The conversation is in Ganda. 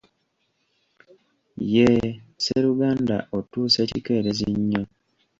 Yee, sseruganda otuuse kikerezi nnyo.